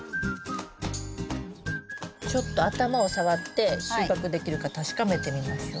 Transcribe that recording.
ちょっと頭を触って収穫できるか確かめてみましょう。